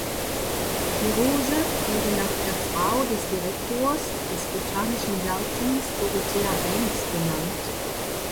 Die Rose wurde nach der Frau des Direktors des botanischen Gartens, Dorothea Banks, benannt.